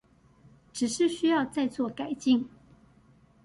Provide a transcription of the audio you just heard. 只是需要再做改進